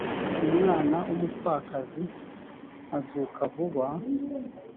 umwana w umupfakazi azuka vuba